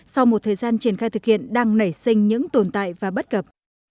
sau một thời gian triển khai thực hiện đang nảy sinh những tồn tại và bắt gập